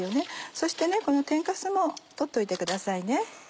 そしてこの天かすも取っておいてくださいね。